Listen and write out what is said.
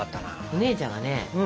お姉ちゃんがね